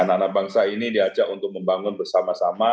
anak anak bangsa ini diajak untuk membangun bersama sama